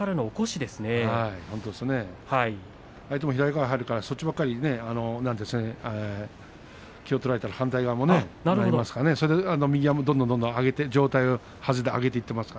相手も左から入るのでそちらばかり気を取られたら反対側右がどんどん上げて上体をはずで上げています。